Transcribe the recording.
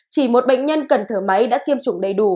chỉ một bệnh nhân cần thở máy đã tiêm chủng đầy đủ